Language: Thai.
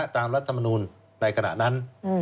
ตามรัฐมณูนในขณะนั้น